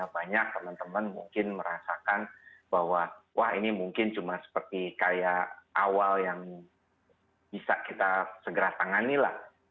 banyak teman teman mungkin merasakan bahwa wah ini mungkin cuma seperti kayak awal yang bisa kita segera tangani lah